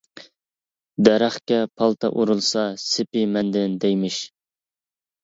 دەرەخكە پالتا ئۇرۇلسا «سېپى مەندىن» دەيمىش.